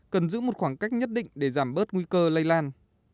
cần giữ một khoảng cách nhất định để giảm bớt nguy cơ lây lan